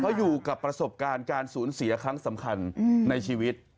เพราะอยู่กับประสบการณ์การสูญเสียครั้งสำคัญในชีวิต